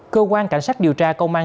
cơ quan cảnh sát điều tra công an